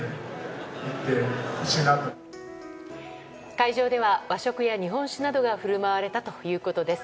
会場では和食や日本酒などが振る舞われたということです。